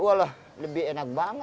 lebih enak banget